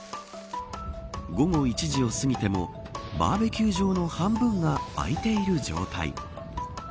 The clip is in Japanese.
午後１時を過ぎてもバーベキュー場の半分が空いている状態。